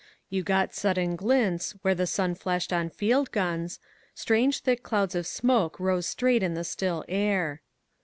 You got sudden glints, where the sun flashed on field guns; strange, thick clouds of smoke rose straight in the still air.